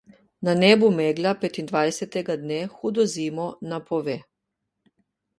Na nebu megla petindvajsetega dne hudo zimo napove.